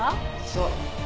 そう。